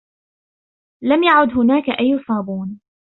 لم يعد هناك أي صابون.